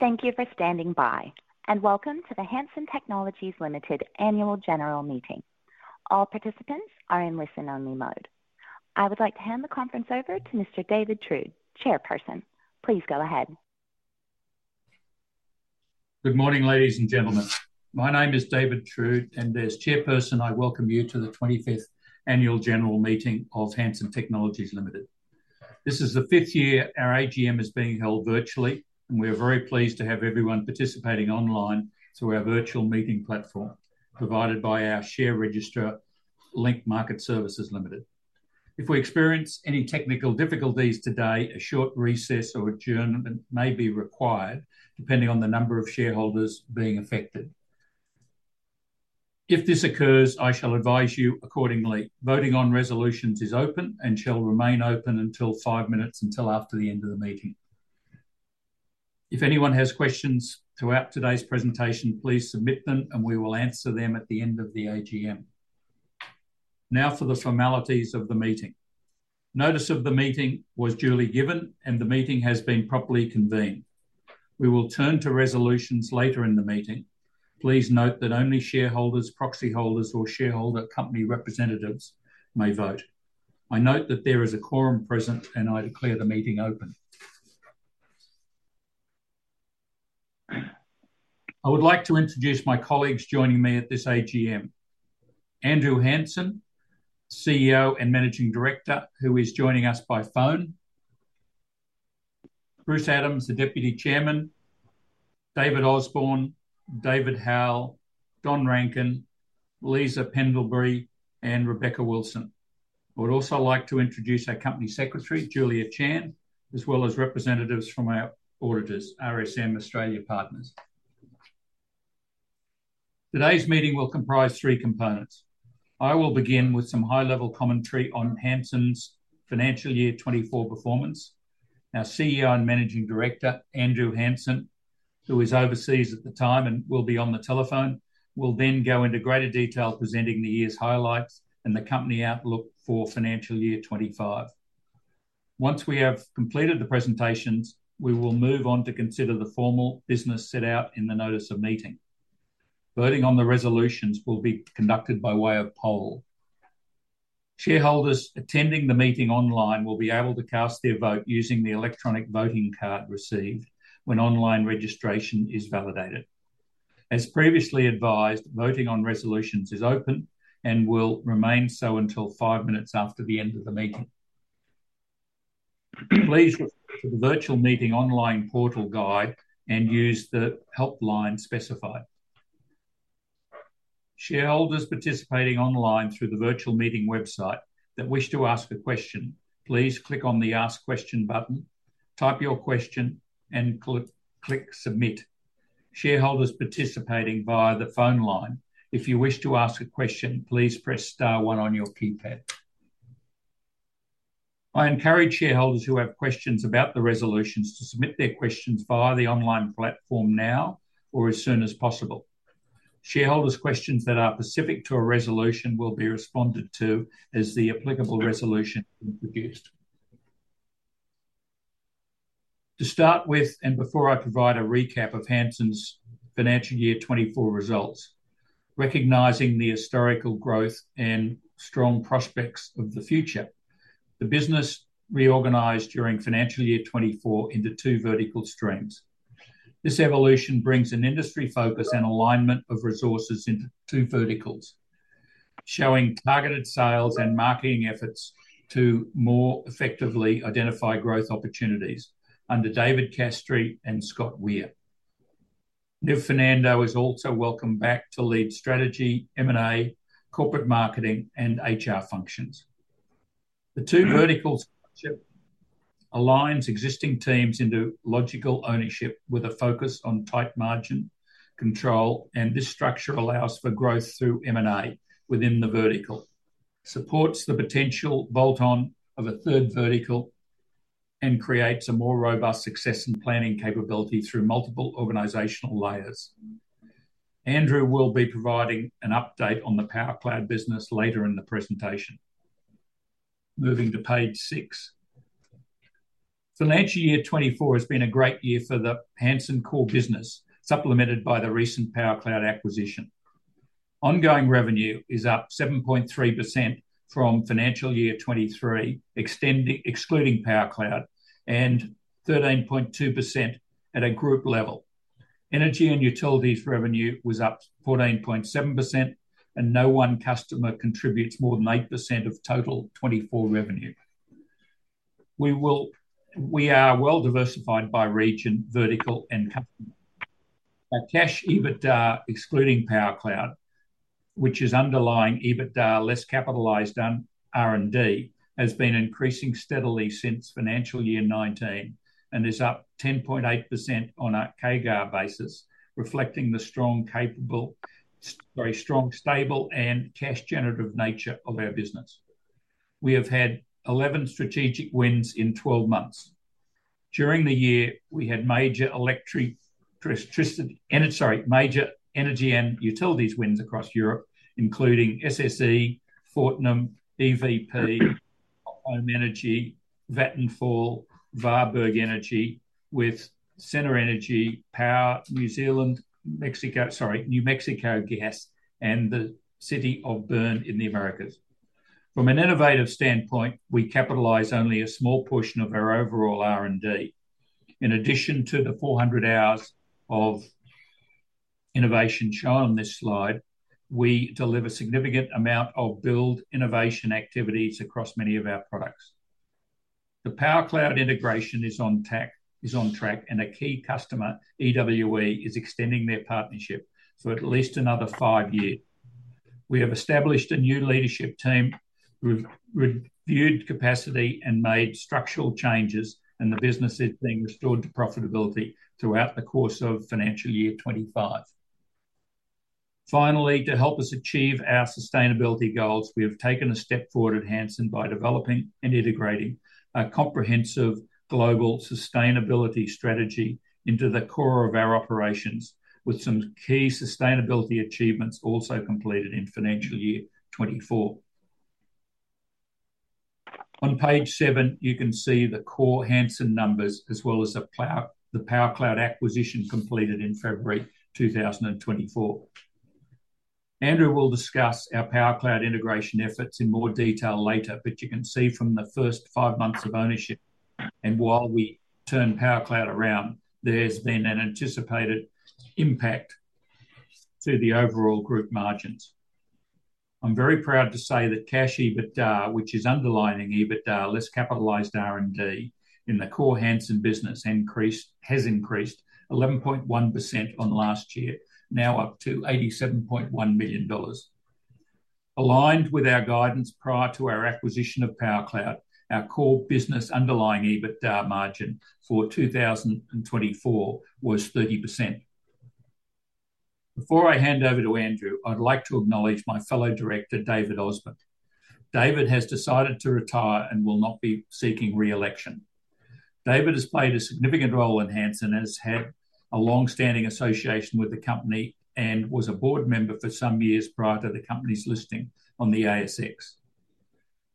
Thank you for standing by, and welcome to the Hansen Technologies Limited annual general meeting. All participants are in listen-only mode. I would like to hand the conference over to Mr. David Trude, Chairperson. Please go ahead. Good morning, ladies and gentlemen. My name is David Trude, and as Chairperson, I welcome you to the 25th annual general meeting of Hansen Technologies Limited. This is the fifth year our AGM is being held virtually, and we are very pleased to have everyone participating online through our virtual meeting platform provided by our share register, Link Market Services Limited. If we experience any technical difficulties today, a short recess or adjournment may be required, depending on the number of shareholders being affected. If this occurs, I shall advise you accordingly. Voting on resolutions is open and shall remain open until five minutes until after the end of the meeting. If anyone has questions throughout today's presentation, please submit them, and we will answer them at the end of the AGM. Now for the formalities of the meeting. Notice of the meeting was duly given, and the meeting has been properly convened. We will turn to resolutions later in the meeting. Please note that only shareholders, proxy holders, or shareholder company representatives may vote. I note that there is a quorum present, and I declare the meeting open. I would like to introduce my colleagues joining me at this AGM: Andrew Hansen, CEO and Managing Director, who is joining us by phone, Bruce Adams, the Deputy Chairman, David Osborne, David Howell, Don Rankin, Lisa Pendlebury, and Rebecca Wilson. I would also like to introduce our Company Secretary, Julia Chand, as well as representatives from our auditors, RSM Australia Partners. Today's meeting will comprise three components. I will begin with some high-level commentary on Hansen's financial year '24 performance. Our CEO and Managing Director, Andrew Hansen, who is overseas at the time and will be on the telephone, will then go into greater detail presenting the year's highlights and the company outlook for financial year 2025. Once we have completed the presentations, we will move on to consider the formal business set out in the notice of meeting. Voting on the resolutions will be conducted by way of poll. Shareholders attending the meeting online will be able to cast their vote using the electronic voting card received when online registration is validated. As previously advised, voting on resolutions is open and will remain so until five minutes after the end of the meeting. Please refer to the virtual meeting online portal guide and use the help line specified. Shareholders participating online through the virtual meeting website that wish to ask a question, please click on the Ask Question button, type your question, and click Submit. Shareholders participating via the phone line, if you wish to ask a question, please press star one on your keypad. I encourage shareholders who have questions about the resolutions to submit their questions via the online platform now or as soon as possible. Shareholders' questions that are specific to a resolution will be responded to as the applicable resolution is introduced. To start with, and before I provide a recap of Hansen's financial year 2024 results, recognizing the historical growth and strong prospects of the future, the business reorganized during financial year 2024 into two vertical streams. This evolution brings an industry focus and alignment of resources into two verticals, showing targeted sales and marketing efforts to more effectively identify growth opportunities under David Castree and Scott Weir. Niv Fernando is also welcome back to lead strategy, M&A, corporate marketing, and HR functions. The two verticals align existing teams into logical ownership with a focus on tight margin control, and this structure allows for growth through M&A within the vertical, supports the potential bolt-on of a third vertical, and creates a more robust success and planning capability through multiple organizational layers. Andrew will be providing an update on the PowerCloud business later in the presentation. Moving to page six. Financial year 2024 has been a great year for the Hansen core business, supplemented by the recent PowerCloud acquisition. Ongoing revenue is up 7.3% from financial year 2023, excluding PowerCloud, and 13.2% at a group level. Energy and utilities revenue was up 14.7%, and no one customer contributes more than 8% of total 2024 revenue. We are well diversified by region, vertical, and company. Our cash EBITDA, excluding PowerCloud, which is underlying EBITDA less capitalized R&D, has been increasing steadily since financial year 2019 and is up 10.8% on a CAGR basis, reflecting the strong, stable, and cash-generative nature of our business. We have had 11 strategic wins in 12 months. During the year, we had major energy and utilities wins across Europe, including SSE, Fortum, EDP, Ohm Energie, Vattenfall, Varberg Energi, with Synergy, Powerco, New Mexico Gas Company, and the City of Bern in the Americas. From an innovative standpoint, we capitalize only a small portion of our overall R&D. In addition to the 400 hours of innovation shown on this slide, we deliver a significant amount of build innovation activities across many of our products. The PowerCloud integration is on track, and a key customer, EWE, is extending their partnership for at least another five years. We have established a new leadership team, reviewed capacity, and made structural changes, and the business is being restored to profitability throughout the course of financial year 2025. Finally, to help us achieve our sustainability goals, we have taken a step forward at Hansen by developing and integrating a comprehensive global sustainability strategy into the core of our operations, with some key sustainability achievements also completed in financial year 2024. On page seven, you can see the core Hansen numbers, as well as the PowerCloud acquisition completed in February 2024. Andrew will discuss our PowerCloud integration efforts in more detail later, but you can see from the first five months of ownership, and while we turn PowerCloud around, there has been an anticipated impact to the overall group margins. I'm very proud to say that cash EBITDA, which is underlying EBITDA less capitalized R&D in the core Hansen business, has increased 11.1% on last year, now up to 87.1 million dollars. Aligned with our guidance prior to our acquisition of PowerCloud, our core business underlying EBITDA margin for 2024 was 30%. Before I hand over to Andrew, I'd like to acknowledge my fellow director, David Osborne. David has decided to retire and will not be seeking reelection. David has played a significant role in Hansen and has had a long-standing association with the company and was a board member for some years prior to the company's listing on the ASX.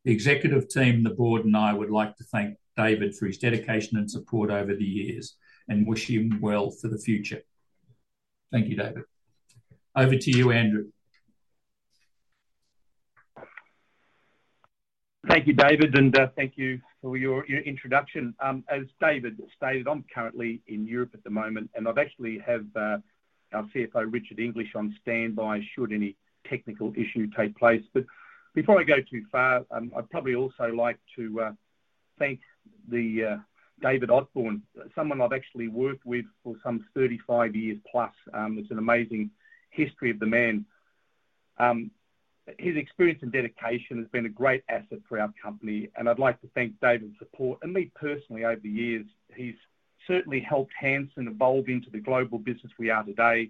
The executive team, the board, and I would like to thank David for his dedication and support over the years and wish him well for the future. Thank you, David. Over to you, Andrew. Thank you, David, and thank you for your introduction. As David stated, I'm currently in Europe at the moment, and I actually have our CFO, Richard English, on standby should any technical issue take place. But before I go too far, I'd probably also like to thank David Osborne, someone I've actually worked with for some 35 years plus. It's an amazing history of the man. His experience and dedication have been a great asset for our company, and I'd like to thank David's support. And me personally, over the years, he's certainly helped Hansen evolve into the global business we are today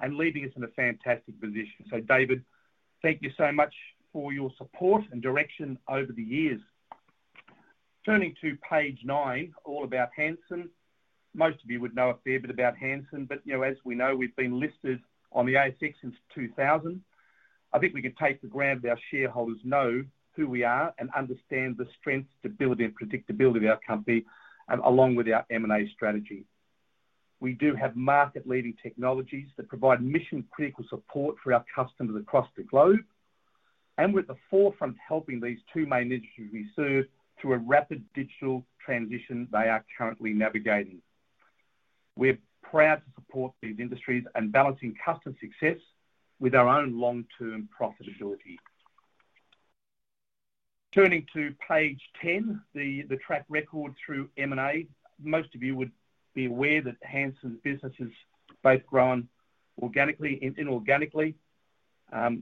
and leaving us in a fantastic position. So, David, thank you so much for your support and direction over the years. Turning to page nine, all about Hansen. Most of you would know a fair bit about Hansen, but as we know, we've been listed on the ASX since 2000. I think we can take the ground that our shareholders know who we are and understand the strength, stability, and predictability of our company, along with our M&A strategy. We do have market-leading technologies that provide mission-critical support for our customers across the globe, and we're at the forefront helping these two main industries we serve through a rapid digital transition they are currently navigating. We're proud to support these industries and balancing customer success with our own long-term profitability. Turning to page ten, the track record through M&A. Most of you would be aware that Hansen's business has both grown organically and inorganically.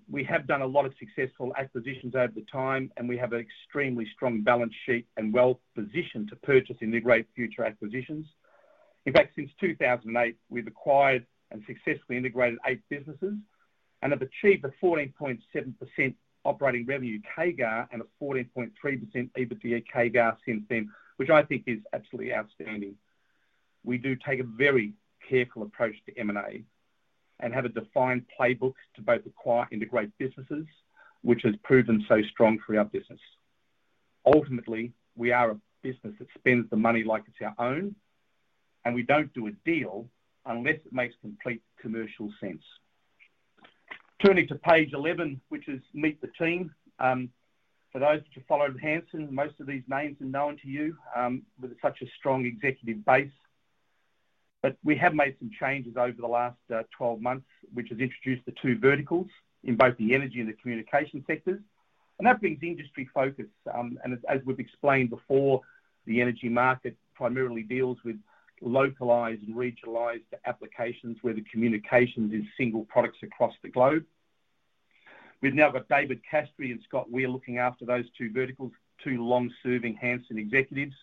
We have done a lot of successful acquisitions over the time, and we have an extremely strong balance sheet and well-positioned to purchase and integrate future acquisitions. In fact, since 2008, we've acquired and successfully integrated eight businesses and have achieved a 14.7% operating revenue CAGR and a 14.3% EBITDA CAGR since then, which I think is absolutely outstanding. We do take a very careful approach to M&A and have a defined playbook to both acquire and integrate businesses, which has proven so strong for our business. Ultimately, we are a business that spends the money like it's our own, and we don't do a deal unless it makes complete commercial sense. Turning to page 11, which is Meet the Team. For those who followed Hansen, most of these names are known to you with such a strong executive base. But we have made some changes over the last 12 months, which has introduced the two verticals in both the energy and the communications sectors, and that brings industry focus, and as we've explained before, the energy market primarily deals with localized and regionalized applications where the communications are single products across the globe. We've now got David Castree and Scott Weir looking after those two verticals, two long-serving Hansen executives,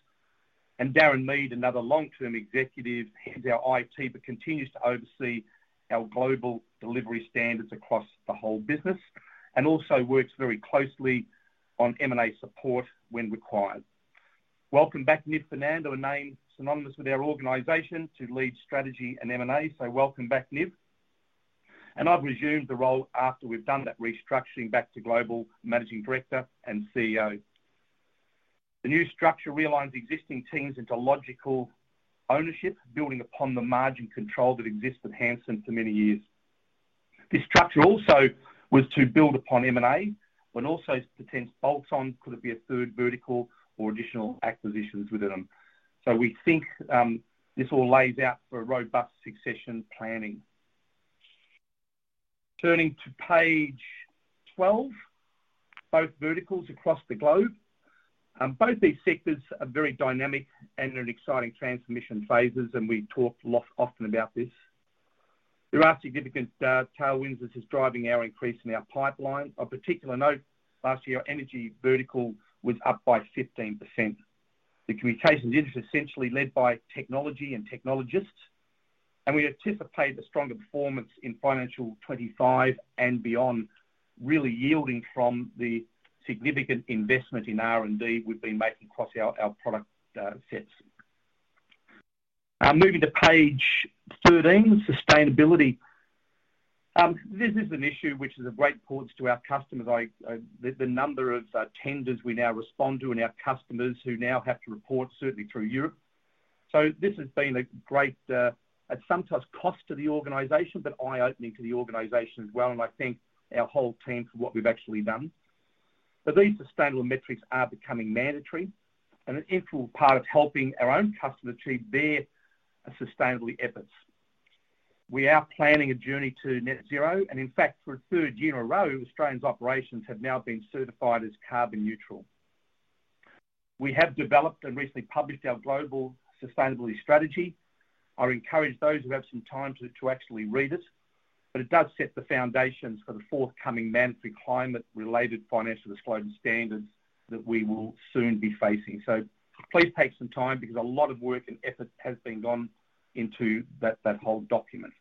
and Darren Mead, another long-term executive, heads our IT but continues to oversee our global delivery standards across the whole business and also works very closely on M&A support when required. Welcome back, Niv Fernando, a name synonymous with our organization to lead strategy and M&A, so welcome back, Niv, and I've resumed the role after we've done that restructuring back to global managing director and CEO. The new structure realigns existing teams into logical ownership, building upon the margin control that exists at Hansen for many years. This structure also was to build upon M&A, but also to potential bolt-ons, could it be a third vertical or additional acquisitions within them. So we think this all lays out for robust succession planning. Turning to page 12, both verticals across the globe. Both these sectors are very dynamic and in exciting transformation phases, and we talk often about this. There are significant tailwinds as it's driving our increase in our pipeline. Of particular note, last year, our energy vertical was up by 15%. The communications industry is essentially led by technology and technologists, and we anticipate a stronger performance in financial 25 and beyond, really yielding from the significant investment in R&D we've been making across our product sets. Moving to page 13, sustainability. This is an issue which is of great importance to our customers, the number of tenders we now respond to and our customers who now have to report, certainly through Europe, so this has been a great, at sometimes cost to the organization, but eye-opening to the organization as well, and I thank our whole team for what we've actually done, but these sustainable metrics are becoming mandatory and an integral part of helping our own customers achieve their sustainability efforts. We are planning a journey to net zero, and in fact, for a third year in a row, Australia's operations have now been certified as carbon neutral. We have developed and recently published our global sustainability strategy. I encourage those who have some time to actually read it, but it does set the foundations for the forthcoming mandatory climate-related financial disclosure standards that we will soon be facing. So please take some time because a lot of work and effort has gone into that whole document.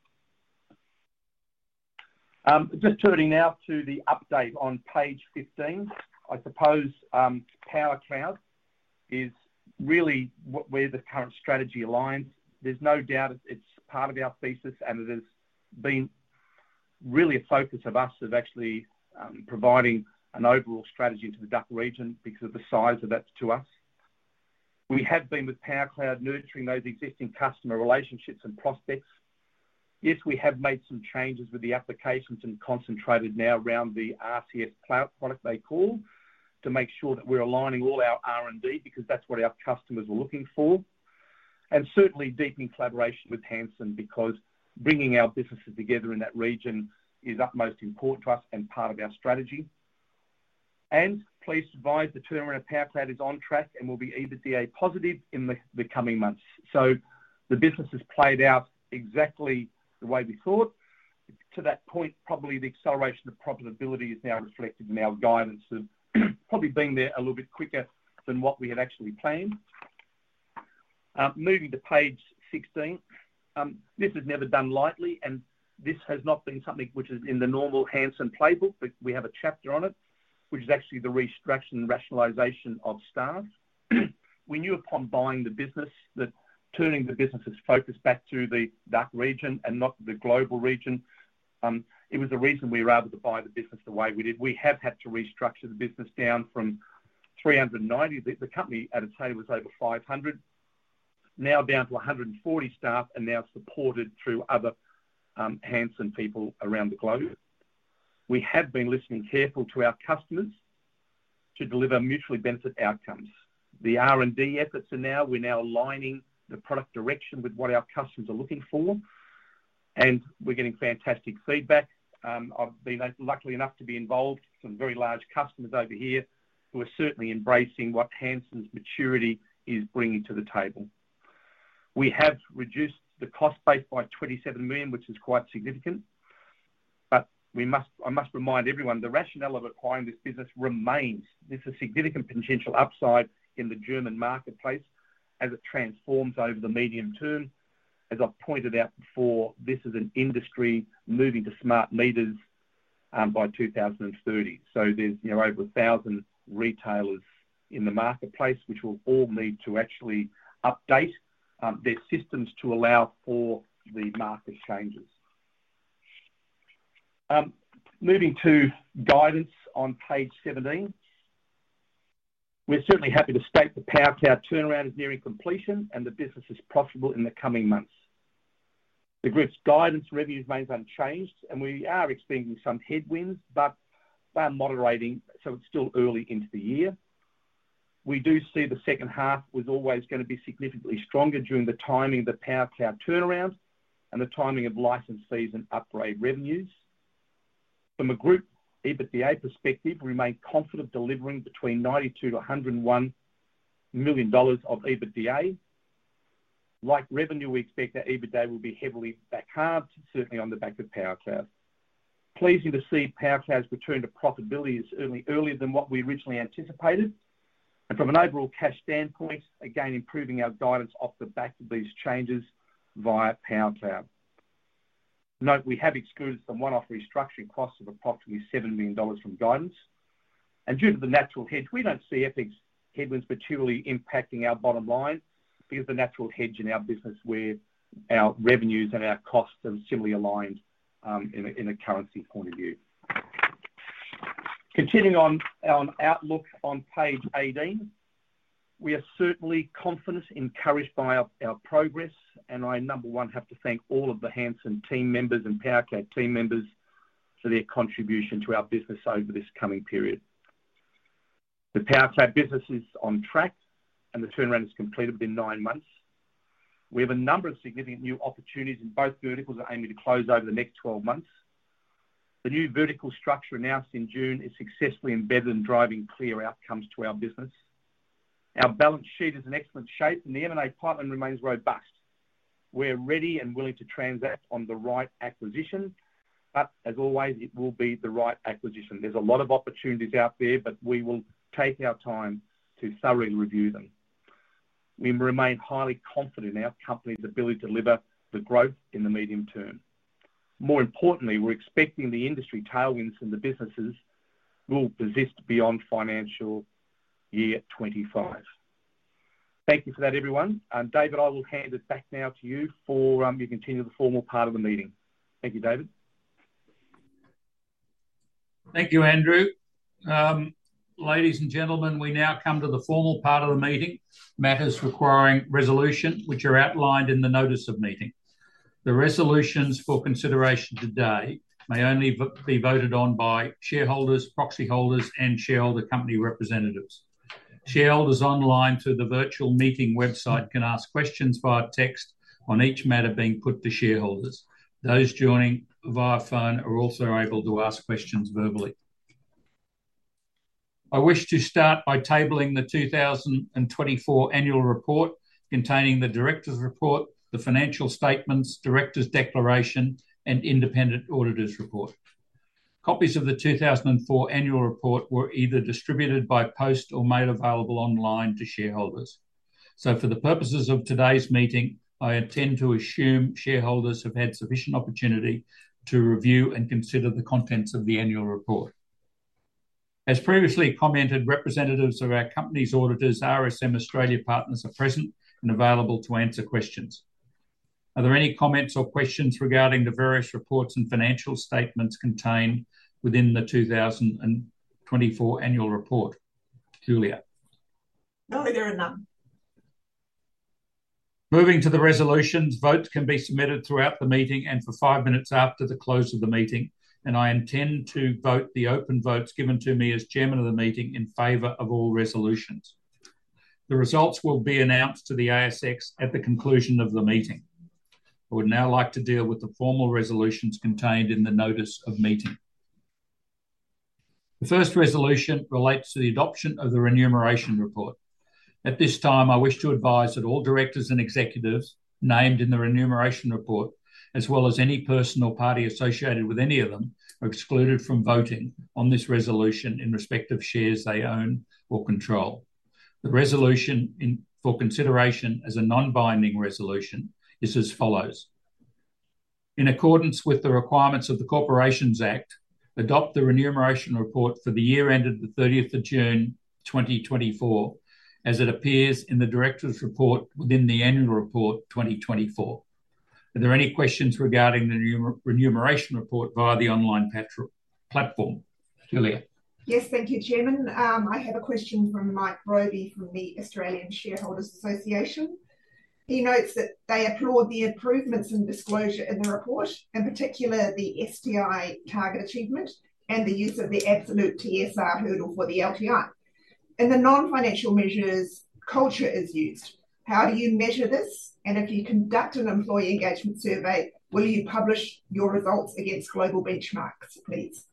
Just turning now to the update on page 15, I suppose PowerCloud is really where the current strategy aligns. There's no doubt it's part of our thesis, and it has been really a focus of us actually providing an overall strategy into the DACH region because of the size of that to us. We have been with PowerCloud nurturing those existing customer relationships and prospects. Yes, we have made some changes with the applications and concentrated now around the CIS product they call to make sure that we're aligning all our R&D because that's what our customers are looking for, and certainly deepening collaboration with Hansen because bringing our businesses together in that region is utmost important to us and part of our strategy. And just to say up front, PowerCloud is on track and will be EBITDA positive in the coming months. The business has played out exactly the way we thought. To that point, probably the acceleration of profitability is now reflected in our guidance of probably being there a little bit quicker than what we had actually planned. Moving to page 16, this has never been done lightly, and this has not been something which is in the normal Hansen playbook, but we have a chapter on it, which is actually the restructuring and rationalization of staff. We knew upon buying the business that turning the business's focus back to the DACH region and not the global region, it was the reason we were able to buy the business the way we did. We have had to restructure the business down from 390. The company at its height was over 500, now down to 140 staff and now supported through other Hansen people around the globe. We have been listening carefully to our customers to deliver mutually beneficial outcomes. The R&D efforts are now aligning the product direction with what our customers are looking for, and we're getting fantastic feedback. I've been lucky enough to be involved with some very large customers over here who are certainly embracing what Hansen's maturity is bringing to the table. We have reduced the cost base by 27 million, which is quite significant. But I must remind everyone, the rationale of acquiring this business remains. There's a significant potential upside in the German marketplace as it transforms over the medium term. As I've pointed out before, this is an industry moving to smart meters by 2030. There's over 1,000 retailers in the marketplace which will all need to actually update their systems to allow for the market changes. Moving to guidance on page 17, we're certainly happy to state the PowerCloud turnaround is nearing completion and the business is profitable in the coming months. The group's guidance revenues remain unchanged, and we are expecting some headwinds, but they're moderating, so it's still early into the year. We do see the second half was always going to be significantly stronger during the timing of the PowerCloud turnaround and the timing of license fees and upgrade revenues. From a group EBITDA perspective, we remain confident of delivering between $92 million-$101 million of EBITDA. Like revenue, we expect that EBITDA will be heavily backed up, certainly on the back of PowerCloud. It's pleasing to see PowerCloud's return to profitability is certainly earlier than what we originally anticipated. From an overall cash standpoint, again, improving our guidance off the back of these changes via PowerCloud. Note we have excluded some one-off restructuring costs of approximately 7 million dollars from guidance. Due to the natural hedge, we don't see FX's headwinds materially impacting our bottom line because the natural hedge in our business where our revenues and our costs are similarly aligned in a currency point of view. Continuing on our outlook on page 18, we are certainly confident, encouraged by our progress, and I number one have to thank all of the Hansen team members and PowerCloud team members for their contribution to our business over this coming period. The PowerCloud business is on track, and the turnaround is completed within nine months. We have a number of significant new opportunities in both verticals that aim to close over the next 12 months. The new vertical structure announced in June is successfully embedded and driving clear outcomes to our business. Our balance sheet is in excellent shape, and the M&A pipeline remains robust. We're ready and willing to transact on the right acquisition, but as always, it will be the right acquisition. There's a lot of opportunities out there, but we will take our time to thoroughly review them. We remain highly confident in our company's ability to deliver the growth in the medium term. More importantly, we're expecting the industry tailwinds in the businesses we'll possess beyond financial year 25. Thank you for that, everyone. David, I will hand it back now to you for you to continue the formal part of the meeting. Thank you, David. Thank you, Andrew. Ladies and gentlemen, we now come to the formal part of the meeting, matters requiring resolution, which are outlined in the notice of meeting. The resolutions for consideration today may only be voted on by shareholders, proxy holders, and shareholder company representatives. Shareholders online through the virtual meeting website can ask questions via text on each matter being put to shareholders. Those joining via phone are also able to ask questions verbally. I wish to start by tabling the 2024 annual report containing the director's report, the financial statements, director's declaration, and independent auditor's report. Copies of the 2024 annual report were either distributed by post or made available online to shareholders. So for the purposes of today's meeting, I intend to assume shareholders have had sufficient opportunity to review and consider the contents of the annual report. As previously commented, representatives of our company's auditors, RSM Australia Partners, are present and available to answer questions. Are there any comments or questions regarding the various reports and financial statements contained within the 2024 annual report? Julia. No, there are none. Moving to the resolutions, votes can be submitted throughout the meeting and for five minutes after the close of the meeting, and I intend to vote the open votes given to me as chairman of the meeting in favor of all resolutions. The results will be announced to the ASX at the conclusion of the meeting. I would now like to deal with the formal resolutions contained in the notice of meeting. The first resolution relates to the adoption of the remuneration report. At this time, I wish to advise that all directors and executives named in the remuneration report, as well as any person or party associated with any of them, are excluded from voting on this resolution in respect of shares they own or control. The resolution for consideration as a non-binding resolution is as follows. In accordance with the requirements of the Corporations Act, adopt the remuneration report for the year ended the 30th of June 2024 as it appears in the director's report within the annual report 2024. Are there any questions regarding the remuneration report via the online platform? Julia. Yes, thank you, Chairman. I have a question from Mike Broby from the Australian Shareholders Association. He notes that they applaud the improvements and disclosure in the report, in particular the STI target achievement and the use of the absolute TSR hurdle for the LTI. In the non-financial measures, culture is used. How do you measure this? And if you conduct an employee engagement survey, will you publish your results against global benchmarks, please?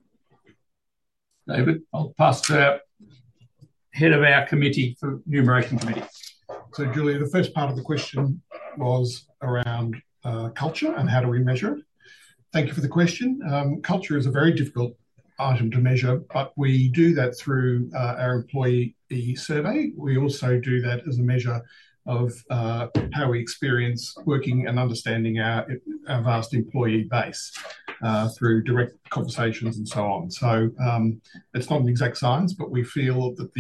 David, I'll pass to head of our Remuneration Committee. So Julia, the first part of the question was around culture and how do we measure it? Thank you for the question. Culture is a very difficult item to measure, but we do that through our employee survey. We also do that as a measure of how we experience working and understanding our vast employee base through direct conversations and so on. So it's not an exact science, but we feel that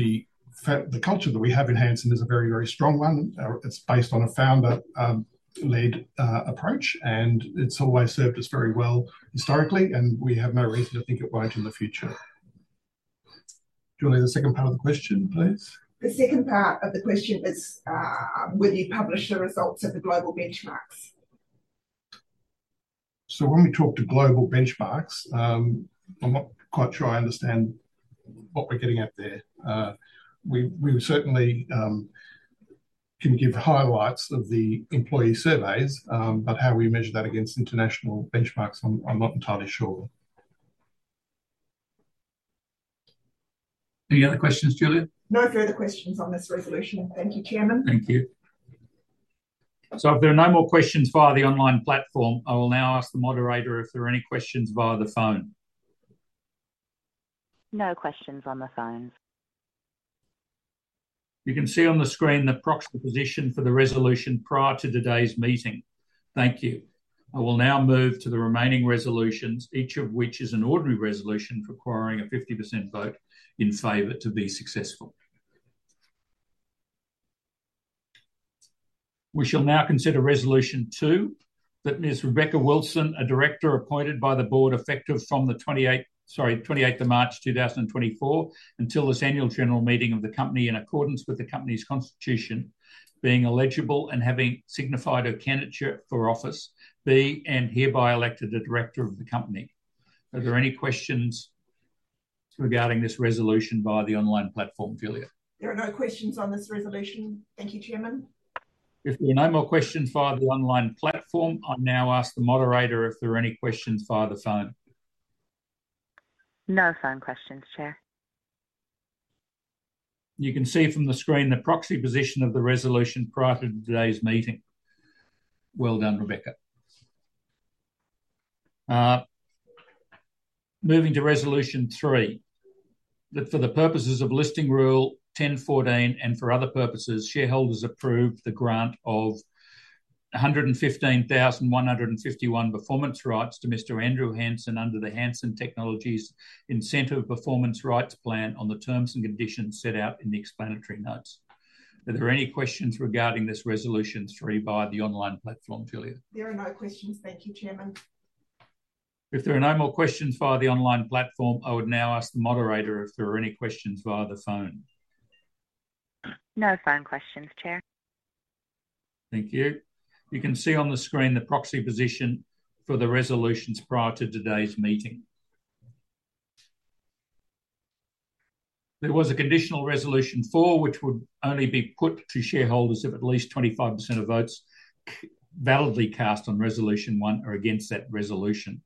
the culture that we have in Hansen is a very, very strong one. It's based on a founder-led approach, and it's always served us very well historically, and we have no reason to think it won't in the future. Julia, the second part of the question, please. The second part of the question is, will you publish the results of the global benchmarks? So when we talk to global benchmarks, I'm not quite sure I understand what we're getting at there. We certainly can give highlights of the employee surveys, but how we measure that against international benchmarks, I'm not entirely sure. Any other questions, Julia? No further questions on this resolution. Thank you, Chairman. Thank you. So if there are no more questions via the online platform, I will now ask the moderator if there are any questions via the phone. No questions on the phones. You can see on the screen the proxy position for the resolution prior to today's meeting. Thank you. I will now move to the remaining resolutions, each of which is an ordinary resolution requiring a 50% vote in favor to be successful. We shall now consider resolution two, that Ms. Rebecca Wilson, a director appointed by the board effective from the 28th of March 2024 until this annual general meeting of the company in accordance with the company's constitution, being eligible and having signified her candidature for office, be and hereby elected a director of the company. Are there any questions regarding this resolution via the online platform, Julia? There are no questions on this resolution. Thank you, Chairman. If there are no more questions via the online platform, I now ask the moderator if there are any questions via the phone. No phone questions, Chair. You can see from the screen the proxy position of the resolution prior to today's meeting. Well done, Rebecca. Moving to resolution three, that for the purposes of Listing Rule 10.14 and for other purposes, shareholders approve the grant of 115,151 performance rights to Mr. Andrew Hansen under the Hansen Technologies Incentive Performance Rights Plan on the terms and conditions set out in the explanatory notes. Are there any questions regarding this resolution three via the online platform, Julia? There are no questions. Thank you, Chairman. If there are no more questions via the online platform, I would now ask the moderator if there are any questions via the phone. No phone questions, Chair. Thank you. You can see on the screen the proxy position for the resolutions prior to today's meeting. There was a conditional resolution four, which would only be put to shareholders of at least 25% of votes validly cast on resolution one or against that resolution.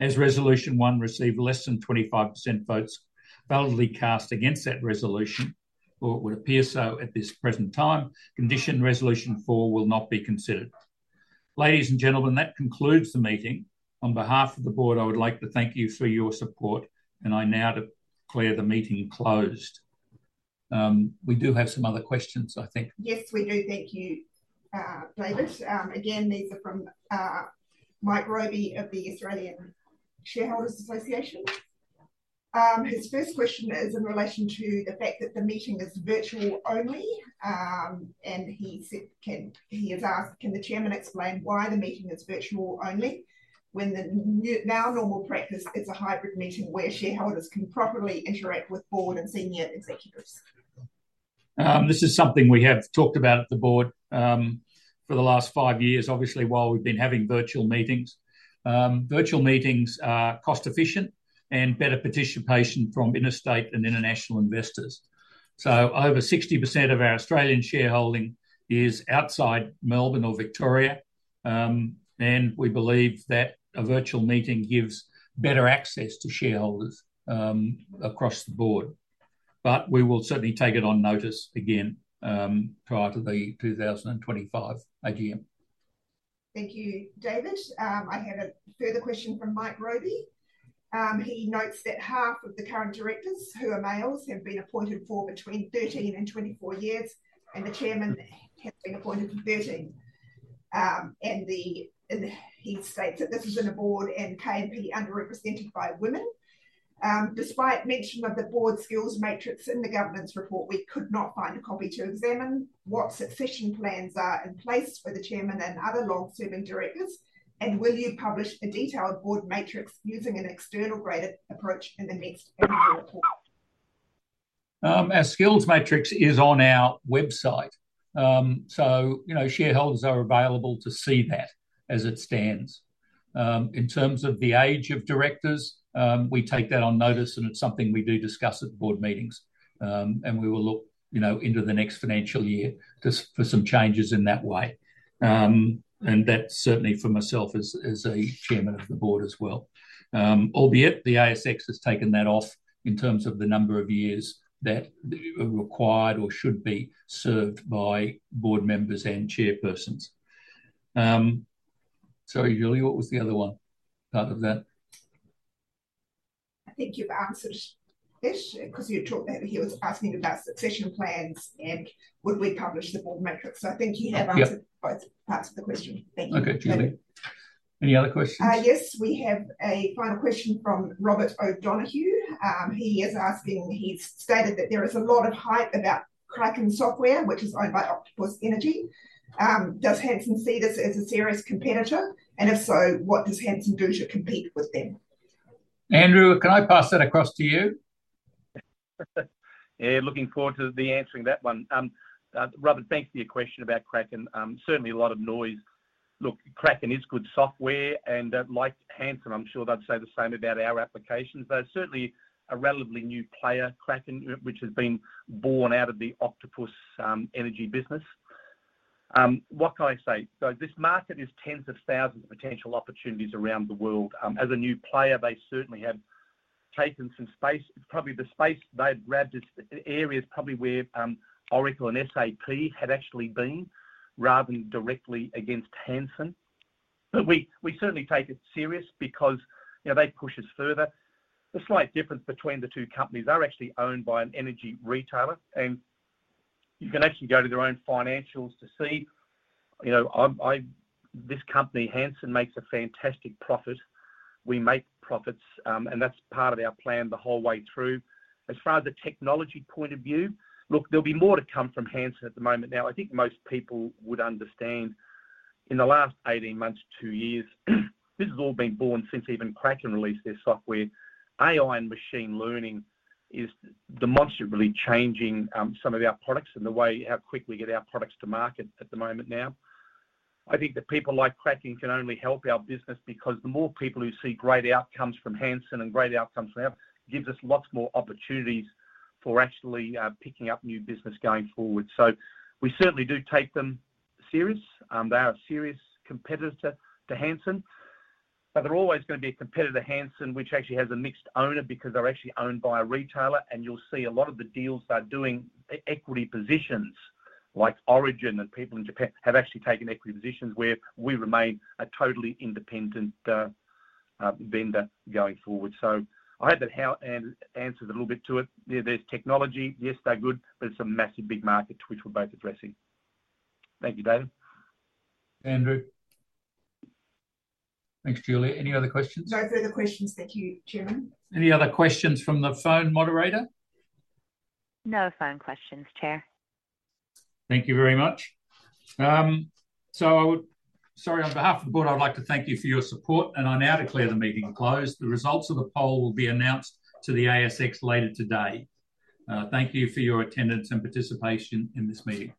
As resolution one received less than 25% votes validly cast against that resolution, or it would appear so at this present time, contingent resolution four will not be considered. Ladies and gentlemen, that concludes the meeting. On behalf of the board, I would like to thank you for your support, and I now declare the meeting closed. We do have some other questions, I think. Yes, we do. Thank you, David. Again, these are from Mike Broby of the Australian Shareholders Association. His first question is in relation to the fact that the meeting is virtual only, and he has asked, "Can the chairman explain why the meeting is virtual only when the now normal practice is a hybrid meeting where shareholders can properly interact with board and senior executives? This is something we have talked about at the board for the last five years, obviously, while we've been having virtual meetings. Virtual meetings are cost-efficient and better participation from interstate and international investors. So over 60% of our Australian shareholding is outside Melbourne or Victoria, and we believe that a virtual meeting gives better access to shareholders across the board. But we will certainly take it on notice again prior to the 2025 AGM. Thank you, David. I have a further question from Mike Broby. He notes that half of the current directors who are males have been appointed for between 13 and 24 years, and the chairman has been appointed for 13. He states that this is in a board and KMP underrepresented by women. Despite mention of the Board Skills Matrix in the governance report, we could not find a copy to examine what succession plans are in place for the chairman and other long-serving directors, and will you publish a detailed board matrix using an external-graded approach in the next annual report? Our Skills Matrix is on our website, so shareholders are available to see that as it stands. In terms of the age of directors, we take that on notice, and it's something we do discuss at board meetings, and we will look into the next financial year for some changes in that way, and that certainly for myself as Chairman of the Board as well. Albeit, the ASX has taken that off in terms of the number of years that are required or should be served by board members and chairpersons. Sorry, Julia, what was the other one part of that? I think you've answered this because you talked about he was asking about succession plans and would we publish the board matrix. So I think you have answered both parts of the question. Thank you. Okay, Julia. Any other questions? Yes, we have a final question from Robert O'Donohue. He is asking, he's stated that there is a lot of hype about Kraken Software, which is owned by Octopus Energy. Does Hansen see this as a serious competitor? And if so, what does Hansen do to compete with them? Andrew, can I pass that across to you? Yeah, looking forward to the answering that one. Robert, thanks for your question about Kraken. Certainly a lot of noise. Look, Kraken is good software, and like Hansen, I'm sure they'd say the same about our applications. They're certainly a relatively new player, Kraken, which has been born out of the Octopus Energy business. What can I say, so this market is tens of thousands of potential opportunities around the world. As a new player, they certainly have taken some space. Probably the space they've grabbed is areas probably where Oracle and SAP had actually been rather than directly against Hansen. But we certainly take it serious because they push us further. The slight difference between the two companies are actually owned by an energy retailer, and you can actually go to their own financials to see. This company, Hansen, makes a fantastic profit. We make profits, and that's part of our plan the whole way through. As far as the technology point of view, look, there'll be more to come from Hansen at the moment. Now, I think most people would understand in the last 18 months, two years, this has all been born since even Kraken released their software. AI and machine learning is demonstrably changing some of our products and the way how quick we get our products to market at the moment now. I think that people like Kraken can only help our business because the more people who see great outcomes from Hansen and great outcomes from Kraken gives us lots more opportunities for actually picking up new business going forward. So we certainly do take them serious. They are a serious competitor to Hansen, but they're always going to be a competitor to Hansen, which actually has a mixed owner because they're actually owned by a retailer. And you'll see a lot of the deals they're doing, equity positions like Origin and people in Japan have actually taken equity positions where we remain a totally independent vendor going forward. So I hope that answers a little bit to it. There's technology. Yes, they're good, but it's a massive big market which we're both addressing. Thank you, David. Andrew. Thanks, Julia. Any other questions? No further questions. Thank you, Chairman. Any other questions from the phone moderator? No phone questions, Chair. Thank you very much. Sorry, on behalf of the board, I'd like to thank you for your support, and I now declare the meeting closed. The results of the poll will be announced to the ASX later today. Thank you for your attendance and participation in this meeting.